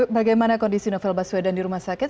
bagaimana kondisi novel baswedan di rumah sakit